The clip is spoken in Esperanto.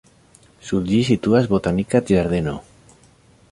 Sur ĝi situas botanika ĝardeno.